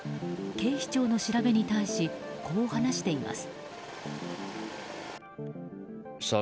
警視庁の調べに対しこう話しています。